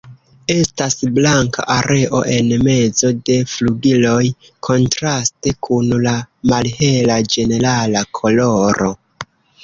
Estas blanka areo en mezo de flugiloj kontraste kun la malhela ĝenerala koloro.